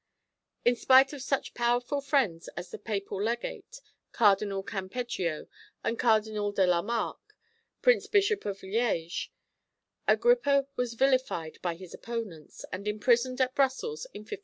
In spite of such powerful friends as the Papal Legate, Cardinal Campeggio, and Cardinal de la Marck, Prince Bishop of Liège, Agrippa was vilified by his opponents, and imprisoned at Brussels in 1531.